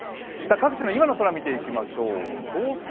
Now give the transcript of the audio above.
各地の今の空見ていきましょう。